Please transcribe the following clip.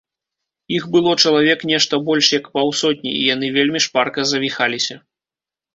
Іх было чалавек нешта больш як паўсотні, і яны вельмі шпарка завіхаліся.